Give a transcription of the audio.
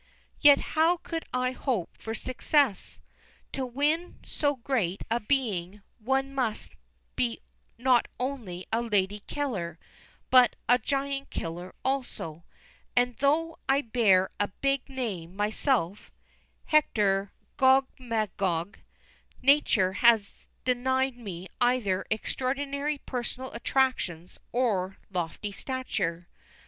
Yet how could I hope for success? To win so great a being one must be not only a lady killer, but a giant killer also; and though I bear a "big" name myself Hector Gogmagog Nature has denied me either extraordinary personal attractions or lofty stature.